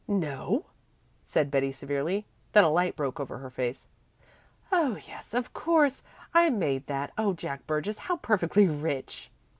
"No," said Betty severely. Then a light broke over her face. "Oh yes, of course, I made that. Oh Jack Burgess, how perfectly rich!"